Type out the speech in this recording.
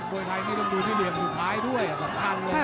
มวยไทยนี่ต้องดูที่เหลี่ยมสุดท้ายด้วยสำคัญเลย